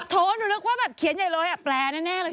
โถหนูนึกว่าแบบเขียนใหญ่เลยแปลแน่เลย